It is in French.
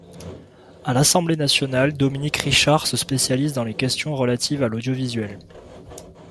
À l'Assemblée nationale, Dominique Richard se spécialise dans les questions relatives à l'audiovisuel.